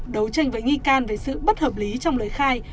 đấu tranh với nghi can về sự bất hợp lý trong lời khai